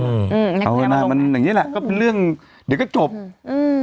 อืมเอานะมันอย่างเงี้แหละก็เป็นเรื่องเดี๋ยวก็จบอืม